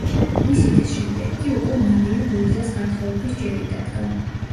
მისი დის შემდეგ კი უკვე მარია ლუიზას გათხოვების ჯერი დადგა.